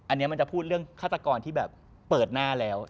อันนี้มันจะพูดเรื่องฆาตกรที่แบบเปิดหน้าแล้ว